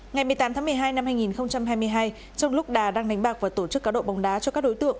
ngày một mươi tám tháng một mươi hai năm hai nghìn hai mươi hai trong lúc đà đang đánh bạc và tổ chức cá độ bóng đá cho các đối tượng